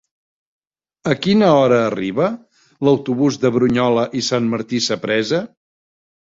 A quina hora arriba l'autobús de Brunyola i Sant Martí Sapresa?